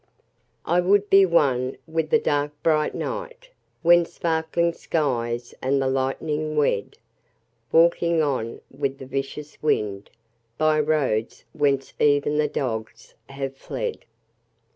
I would be one with the dark bright night When sparkling skies and the lightning wed— Walking on with the vicious wind By roads whence even the dogs have fled.